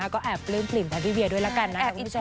ก็แอบปลื้มปลิ่มทางพี่เบียด้วยแล้วกันนะ